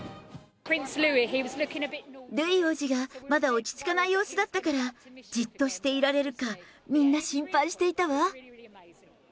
ルイ王子がまだ落ち着かない様子だったから、じっとしていられるか、みんな心配していたわ。